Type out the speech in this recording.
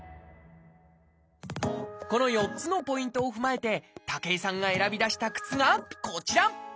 この４つのポイントを踏まえて武井さんが選び出した靴がこちら！